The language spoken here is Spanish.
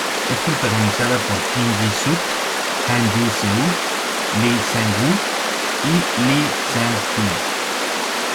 Es protagonizada por Kim Ji Suk, Han Ye-seul, Lee Sang-woo y Lee Sang-hee.